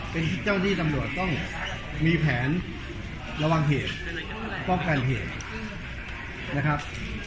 เป็นเจ้าที่ตำรวจต้องมีแผนระวังเหตุป้องกันเหตุนะครับ